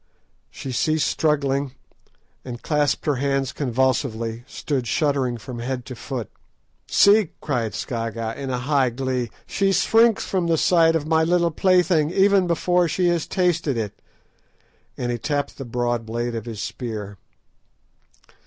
She ceased struggling, and clasping her hands convulsively, stood shuddering from head to foot. "See," cried Scragga in high glee, "she shrinks from the sight of my little plaything even before she has tasted it," and he tapped the broad blade of his spear.